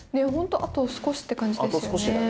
あと少しって感じですよね。